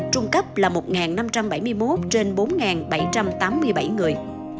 trung cấp là một năm trăm bảy mươi một trên bốn bảy trăm tám mươi bảy người